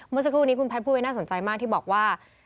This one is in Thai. เมื่อสักครู่นี้คุณแพทย์พูดไว้น่าสนใจมากที่บอกว่า